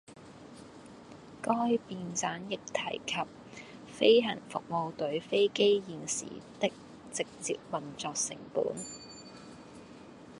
該便箋亦提及飛行服務隊飛機現時的直接運作成本